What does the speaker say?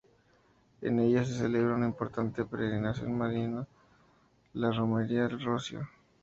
En ella se celebra una importante peregrinación mariana, la Romería del Rocío.